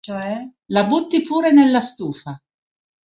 La butti pure nella stufa!".